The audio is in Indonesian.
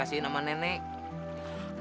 apakah ada apron irahnya